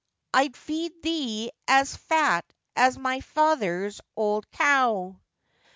I'd feed thee as fat as my feyther's old zow.